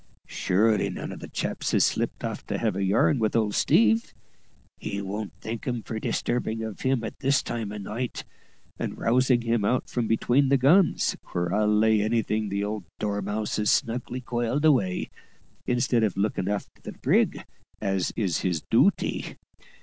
Surety none of the chaps is slipped off to have a yarn with old Steve; he won't thank 'em for disturbing of him at this time o' night, and rousing him out from between the guns, where I'll lay anything the old dormouse is snugly coiled away, instead of looking a'ter the brig, as is his dooty.